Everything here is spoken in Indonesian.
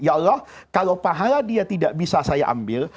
ya allah kalau pahala dia tidak bisa saya ambil